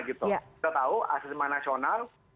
kita tahu asesmen nasional